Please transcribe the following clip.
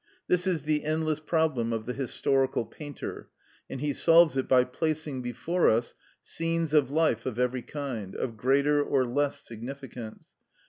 This is the endless problem of the historical painter, and he solves it by placing before us scenes of life of every kind, of greater or less significance.